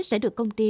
sẽ được công ty